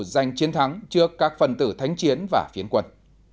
giành chiến thắng trước các phần tử thánh chiến và phiến quân